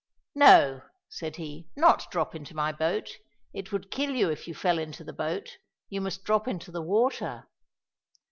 "No," said he, "not drop into my boat. It would kill you if you fell into the boat. You must drop into the water."